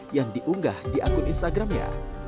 yang diunggah di akun instagramnya